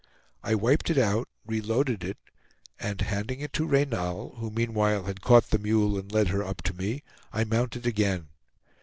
I wiped it out, reloaded it, and handing it to Reynal, who meanwhile had caught the mule and led her up to me, I mounted again.